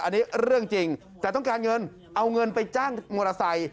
อันนี้เรื่องจริงแต่ต้องการเงินเอาเงินไปจ้างมอเตอร์ไซค์